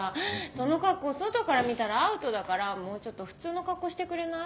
その格好外から見たらアウトだからもうちょっと普通の格好してくれない？